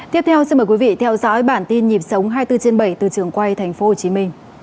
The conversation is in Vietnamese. tiếp theo xin mời quý vị theo dõi bản tin nhịp sống hai mươi bốn trên bảy từ trường quay tp hcm